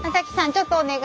ちょっとお願い。